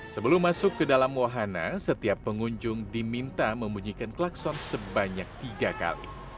sebelum masuk ke dalam wahana setiap pengunjung diminta membunyikan klakson sebanyak tiga kali